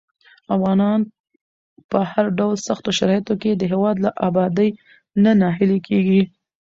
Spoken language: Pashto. افغانان په هر ډول سختو شرايطو کې د هېواد له ابادۍ نه ناهیلي کېږي.